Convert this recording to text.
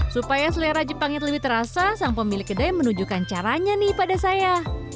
supaya selera jepangnya lebih terasa sang pemilik kedai menunjukkan caranya nih pada saya